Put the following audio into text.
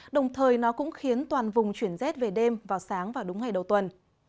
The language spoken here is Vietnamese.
đồng thời nó cũng khiến toàn vùng chuyển rét về đêm vào sáng và đúng ngày đầu tuần